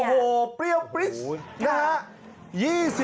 โอ้โหเปรี้ยวปริ๊ส